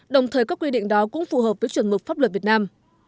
đồng thời các quy định đó cũng phù hợp với chuẩn mực pháp luật việt nam